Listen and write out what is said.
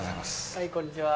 はいこんにちは。